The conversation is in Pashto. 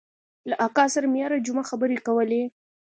له اکا سره مې هره جمعه خبرې کولې.